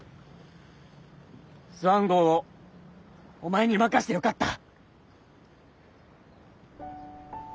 スワン号をお前に任してよかった。